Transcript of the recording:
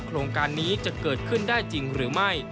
โครงการนี้จะเกิดขึ้นได้จริงหรือไม่